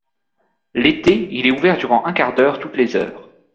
L'été, il est ouvert durant un quart d'heure toutes les heures.